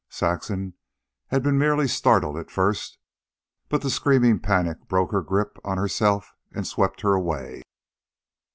Saxon had been merely startled at first, but the screaming panic broke her grip on herself and swept her away.